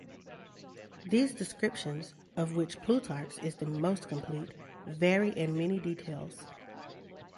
These descriptions, of which Plutarch's is the most complete, vary in many details.